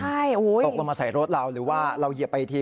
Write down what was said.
ใช่โอ้โหตกลงมาใส่รถเราหรือว่าเราเยียบไปที